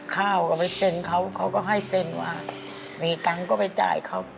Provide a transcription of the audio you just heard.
ข้าวก็ไปเซ็นเขาเขาก็ให้เซ็นว่ามีตังค์ก็ไปจ่ายเขา